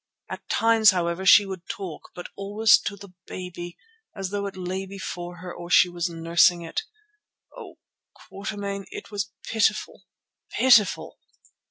At times, however, she would talk, but always to the baby, as though it lay before her or she were nursing it. Oh! Quatermain, it was pitiful, pitiful!